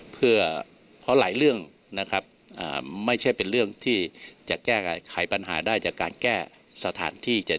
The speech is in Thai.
เพื่อเพราะหลายเรื่องนะครับไม่ใช่เป็นเรื่องที่จะแก้ไขปัญหาได้จากการแก้สถานที่